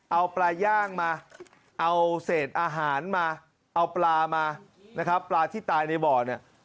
เอาปลาย่างมาเอาเศษอาหารมาเอาปลามานะครับปลาที่ตายในบ่อเนี่ย